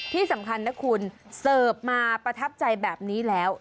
ที่สำคัญนะคุณเสิร์ฟมาประทับใจแบบนี้แล้ว